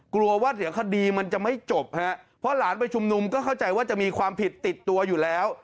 กลัวว่าเดี๋ยวคดีมันจะไม่จบฮะเพราะหลานไปชุมนุมก็เข้าใจว่าจะมีความผิดติดตัวอยู่แล้ว